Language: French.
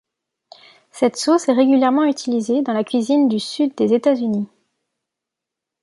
Cette sauce est régulièrement utilisée dans la cuisine du sud des États-Unis.